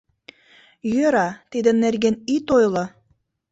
Йӧра, тидын нерген ит ойло.